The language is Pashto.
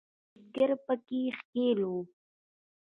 بریدګر په کې ښکیل وو